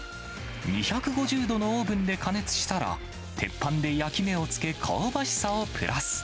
２５０度のオーブンで加熱したら、鉄板で焼き目をつけ、香ばしさをプラス。